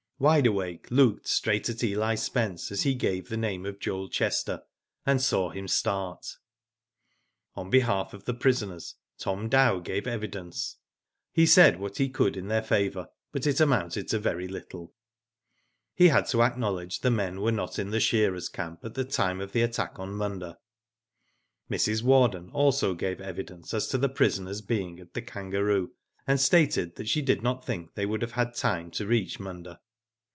Wide Awake looked straight at Eli Spence as he gave the name of Joel Chester, and saw him start. On behalf of the prisoners, Tom Dow gave evidence. He said what he could in their favour, but it amounted to very little. He had to acknowledge the men were not in the shearers* camp at the time of the attack on Munda. Mrs. Warden also gave evidence as to the prisoners being at "The Kangaroo," and stated she did not think they would have had time to reach Munda.